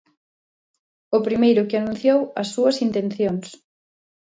O primeiro que anunciou as súas intencións.